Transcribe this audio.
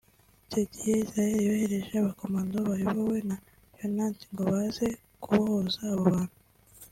Icyo gihe Israel yohereje abakomando bayobowe na Yonatan ngo baze kubohoza abo bantu